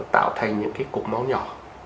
tạo thành những cái cục máu nhỏ